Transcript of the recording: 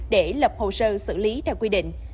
để lập hồ sơ xử lý theo quy định